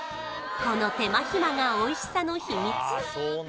この手間暇がおいしさの秘密